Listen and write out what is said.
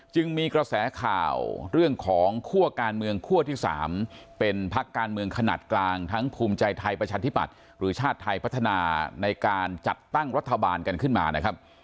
จึงมีกระแสข่าวเรื่องของคั่วการเมืองคั่วที่๓เป็นพักการเมืองขนาดกลางทั้งภูมิใจไทยประชาธิปัตย์หรือชาติไทยพัฒนาในการจัดตั้งรัฐบาลกันขึ้นมานะครับ